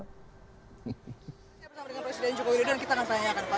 saya bersama dengan presiden jokowi dodo dan kita akan tanyakan pak